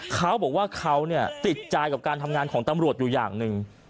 เขาบอกว่าเขาติดใจกับการทำงานของตำรวจอยู่อย่างหนึ่ง